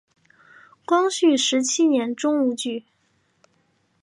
光绪十七年中武举。